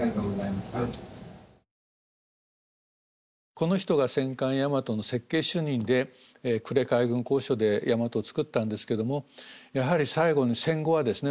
この人が戦艦大和の設計主任で呉海軍工廠で大和を造ったんですけどもやはり最後に戦後はですね